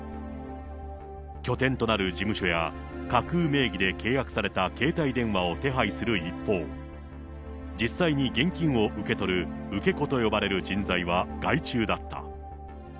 拠点となる事務所や架空名義で契約された携帯電話を手配する一方、実際に現金を受け取る受け子と呼ばれる人材は外注だった。